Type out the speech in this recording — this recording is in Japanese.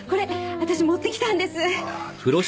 私持ってきたんです。